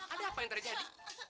ada apa yang terjadi